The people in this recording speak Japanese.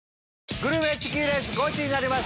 グルメチキンレースゴチになります！